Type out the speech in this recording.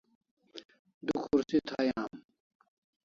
Du khursi thai am